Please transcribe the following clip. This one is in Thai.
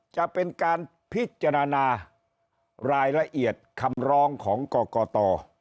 จะเป็นการพิจารณารายละเอียดคำร้องของกรกต